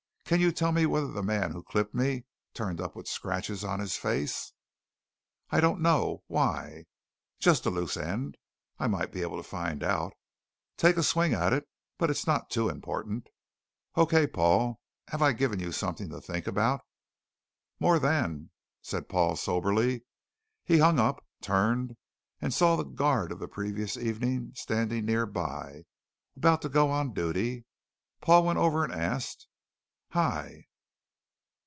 Can you tell me whether the man who clipped me turned up with scratches on his face?" "I don't know. Why?" "Just a loose end." "I might be able to find out." "Take a swing at it; but it's not too important." "Okay, Paul. Have I given you something to think about?" "More than," said Paul soberly. He hung up, turned, and saw the guard of the previous evening standing near by, about to go on duty. Paul went over and asked: "Hi!"